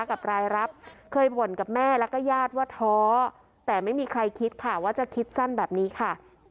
กับรายรับเคยบ่นกับแม่แล้วก็ญาติว่าท้อแต่ไม่มีใครคิดค่ะว่าจะคิดสั้นแบบนี้ค่ะ